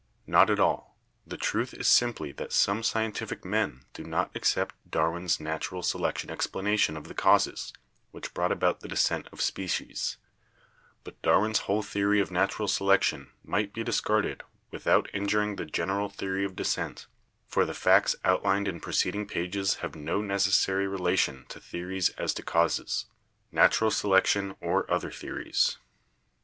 Not at all. The truth is simply that some scientific men do not accept Darwin's natural selection explanation of the causes which brought about the descent of species* But Darwin's whole theory of natural selection might be discarded without injuring the general theory of descent, for the facts outlined in preceding pages have no necessary relation to theories as to causes — natural selection or other theories.